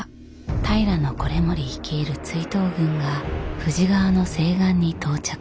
平維盛率いる追討軍が富士川の西岸に到着。